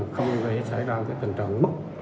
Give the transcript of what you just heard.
không để xảy ra tình trạng mất